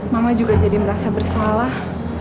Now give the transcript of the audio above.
mama juga jadi merasa bersalah